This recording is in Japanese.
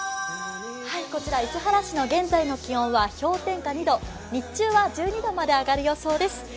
こちら市原市の現在の気温は氷点下２度日中は１２度まで上がる予想です。